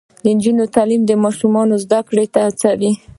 د نجونو تعلیم د ماشومانو زدکړې ته هڅوي.